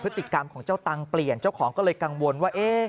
พฤติกรรมของเจ้าตังค์เปลี่ยนเจ้าของก็เลยกังวลว่า